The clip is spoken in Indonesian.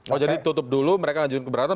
oh jadi tutup dulu mereka ngajuin keberatan